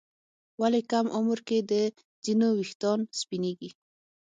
ولې کم عمر کې د ځینو ويښتان سپینېږي؟